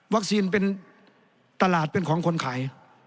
เป็นตลาดเป็นของคนขาย